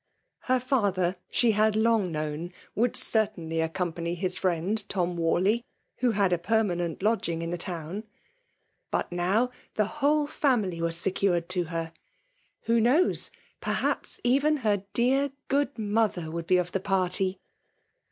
Her father, she had long known, would certainly accompany his friend Tom Warley, who had a permanent lodging in the town. But now the whole family was secured to her. Who knows, — perhaps even her dear, good mother would be of the party